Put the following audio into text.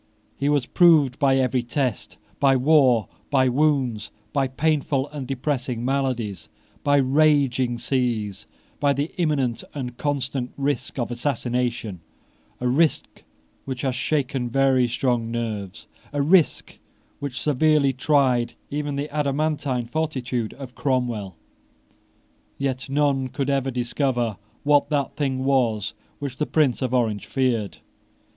He was proved by every test; by war, by wounds, by painful and depressing maladies, by raging seas, by the imminent and constant risk of assassination, a risk which has shaken very strong nerves, a risk which severely tried even the adamantine fortitude of Cromwell. Yet none could ever discover what that thing was which the Prince of Orange feared.